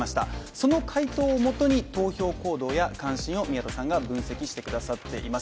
その回答をもとに投票行動や関心を宮田さんが分析してくださっています。